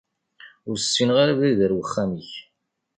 Ur ssineɣ ara abrid ar wexxam-ik.